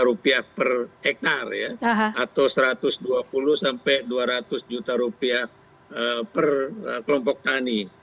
rp delapan per hektare ya atau rp satu ratus dua puluh sampai rp dua ratus per kelompok tani